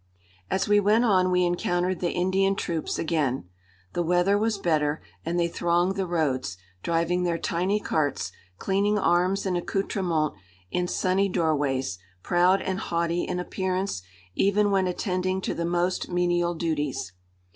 As we went on we encountered the Indian troops again. The weather was better, and they thronged the roads, driving their tiny carts, cleaning arms and accoutrements in sunny doorways, proud and haughty in appearence even when attending to the most menial duties.